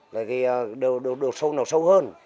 là vì đồ sâu nó sâu hơn